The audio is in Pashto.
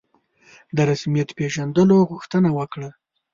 د رسمیت پېژندلو غوښتنه وکړه.